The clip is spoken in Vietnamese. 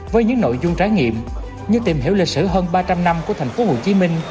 với những nội dung trải nghiệm như tìm hiểu lịch sử hơn ba trăm linh năm của tp hcm